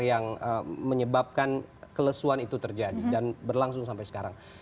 yang menyebabkan kelesuan itu terjadi dan berlangsung sampai sekarang